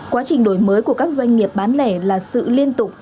quá trình đổi mới của các doanh nghiệp bán lẻ là sự liên tục